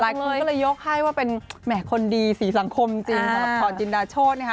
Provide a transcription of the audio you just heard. หลายคืนก็เลยยกให้ว่าเป็นแหม่คนดีศรีสังคมจริงค่ะลักษณ์จินดาโชฯ